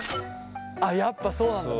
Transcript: あっやっぱそうなんだ。